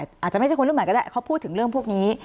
อาจจะไม่ใช่คนรุ่นใหม่ก็ได้เขาพูดถึงเรื่องพวกนี้